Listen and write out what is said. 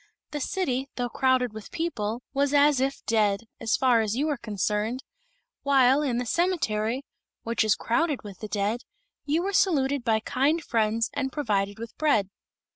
The city, though crowded with people, was as if dead, as far as you were concerned; while, in the cemetery, which is crowded with the dead, you were saluted by kind friends and provided with bread."